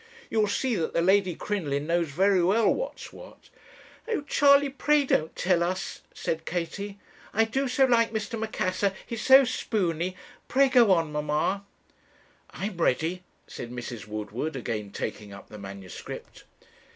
You'll see that the Lady Crinoline knows very well what's what.' 'Oh, Charley, pray don't tell us,' said Katie; 'I do so like Mr. Macassar, he is so spooney; pray go on, mamma.' 'I'm ready,' said Mrs. Woodward, again taking up the manuscript.